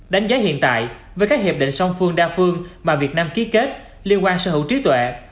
đánh giá hiện tại với các hiệp định song phương đa phương mà việt nam ký kết liên quan sở hữu trí tuệ